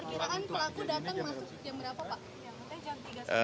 pak perkiraan pelaku datang jam berapa pak